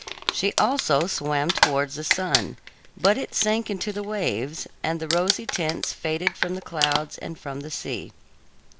She also swam towards the sun, but it sank into the waves, and the rosy tints faded from the clouds and from the sea.